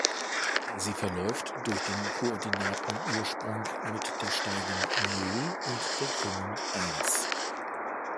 Sie verläuft durch den Koordinatenursprung mit der Steigung Null und der Krümmung Eins.